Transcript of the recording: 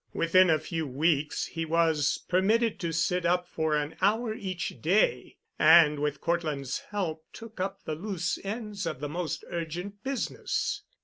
Within a few weeks he was permitted to sit up for an hour each day, and with Cortland's help took up the loose ends of the most urgent business.